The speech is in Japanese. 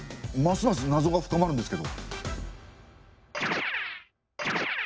ますますなぞが深まるんですけど。